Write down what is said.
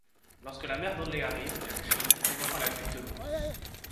Lorsque la mère d'Olle arrive, elle crie, provoquant la fuite de l'ours.